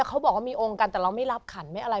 เขาบอกว่ามีองค์กันแต่เราไม่รับขันไม่อะไร